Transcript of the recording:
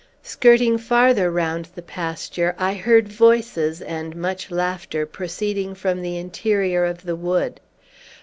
Skirting farther round the pasture, I heard voices and much laughter proceeding from the interior of the wood.